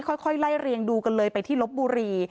ค่อยไล่เรียงดูกันเลยไปที่ลบบุรี